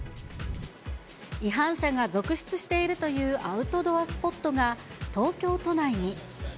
違反者が続出しているというアウトドアスポットが東京都内に。